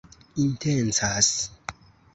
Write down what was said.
intencas